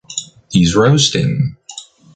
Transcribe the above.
He’s roasting.